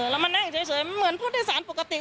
เรามานั่งเฉยเหมือนผู้โดยสารปกติ